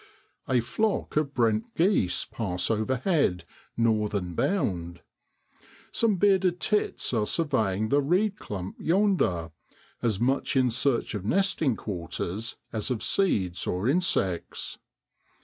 A flock of brent geese pass overhead, northern bound. Some bearded tits are surveying the reed clump yonder, as much in search of nesting quarters as of seeds or insects.